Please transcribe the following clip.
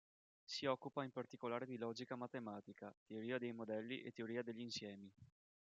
Si occupa in particolare di logica matematica, teoria dei modelli e teoria degli insiemi.